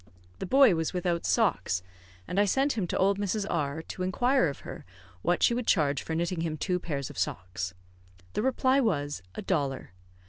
The boy was without socks, and I sent him to old Mrs. R , to inquire of her what she would charge for knitting him two pairs of socks. The reply was, a dollar.